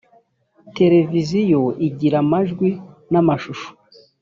televiziyo igira amajwi n ‘amashusho .